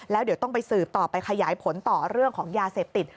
แล้วเดี๋ยวต้องไปสืบต่อไปขยายผลต่อเรื่องของยาเสพติด